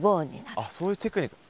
あっそういうテクニック。